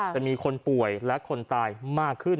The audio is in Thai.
จะมีคนป่วยและคนตายมากขึ้น